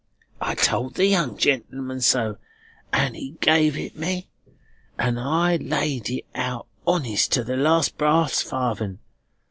I told the young gentleman so, and he gave it me, and I laid it out honest to the last brass farden.